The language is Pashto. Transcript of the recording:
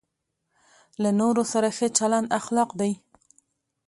له نورو سره ښه چلند اخلاق دی.